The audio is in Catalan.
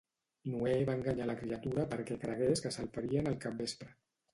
Noè va enganyar a la criatura perquè cregués que salparien al capvespre